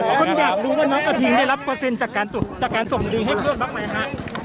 คนอยากรู้ว่าน้องกระทิงได้รับเปอร์เซ็นต์จากการจุดจากการส่งลิงให้เพื่อนบ้างไหมฮะ